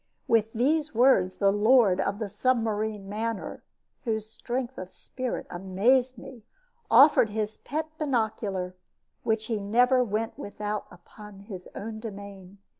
With these words, the lord of the submarine manor (whose strength of spirit amazed me) offered his pet binocular, which he never went without upon his own domain.